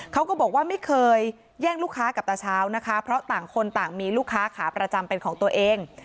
เขาก็บอกว่าไม่เคยแย่งลูกค้ากับตาเช้านะคะเพราะต่างคนต่างมีลูกค้าขาประจำเป็นของตัวเอง